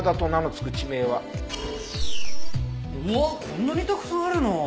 こんなにたくさんあるの？